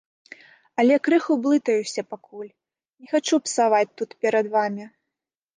Але крыху блытаюся пакуль, не хачу псаваць тут перад вамі.